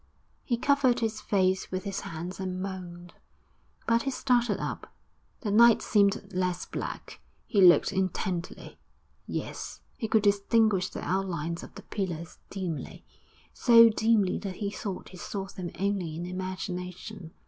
He covered his face with his hands and moaned. But he started up, the night seemed less black; he looked intently; yes, he could distinguish the outlines of the pillars dimly, so dimly that he thought he saw them only in imagination.